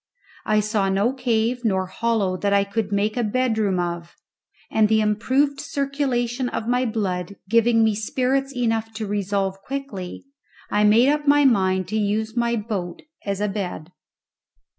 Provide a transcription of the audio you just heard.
I saw no cave nor hollow that I could make a bedroom of, and the improved circulation of my blood giving me spirits enough to resolve quickly, I made up my mind to use my boat as a bed.